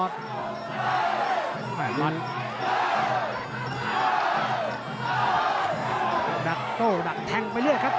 ดักโต้ดักแทงไปเรื่อยครับ